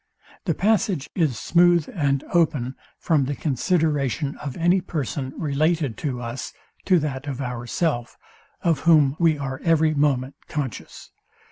The passage is smooth and open from the consideration of any person related to us to that of ourself, of whom we are every moment conscious.